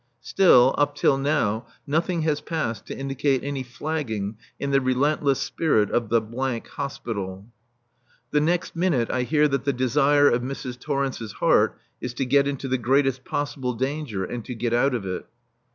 Still, up till now, nothing has passed to indicate any flagging in the relentless spirit of the Hospital. The next minute I hear that the desire of Mrs. Torrence's heart is to get into the greatest possible danger and to get out of it.